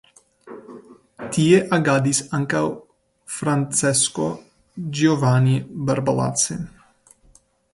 Tie agadis ankaŭ Francesco Giovanni Barbalace.